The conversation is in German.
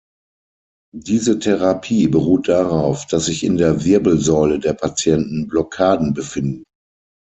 Diese Therapie beruht darauf, dass sich in der Wirbelsäule der Patienten Blockaden befinden.